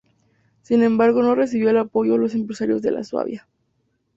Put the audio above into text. Sin embargo, no recibió el apoyo los empresarios de la Suabia.